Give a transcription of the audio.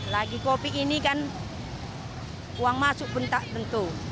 lagi kopi ini kan uang masuk pun tak tentu